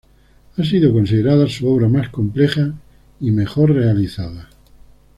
Ha sido considerada su obra más compleja y mejor realizada.